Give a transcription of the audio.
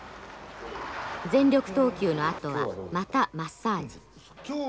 全力投球のあとはまたマッサージ。